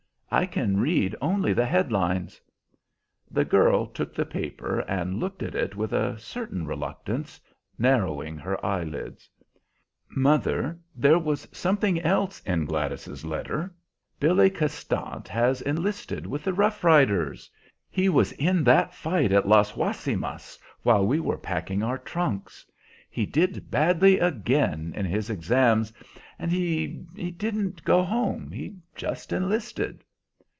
I can read only the head lines." The girl took the paper and looked at it with a certain reluctance, narrowing her eyelids. "Mother, there was something else in Gladys's letter. Billy Castant has enlisted with the Rough Riders. He was in that fight at Las Guasimas, while we were packing our trunks. He did badly again in his exams, and he he didn't go home; he just enlisted."